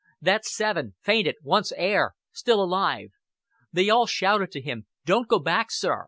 "That's seven. Fainted. Wants air.... Still alive." They all shouted to him. "Don't go back, sir.